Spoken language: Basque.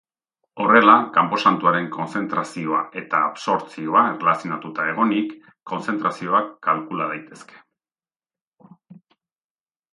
Horrela, konposatuaren kontzentrazioa eta absortzioa erlazionatuta egonik, kontzentrazioak kalkula daitezke.